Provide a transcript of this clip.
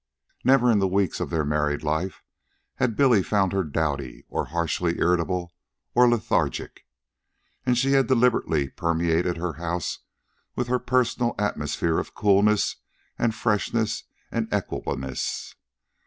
Never, in the weeks of their married life, had Billy found her dowdy, or harshly irritable, or lethargic. And she had deliberately permeated her house with her personal atmosphere of coolness, and freshness, and equableness.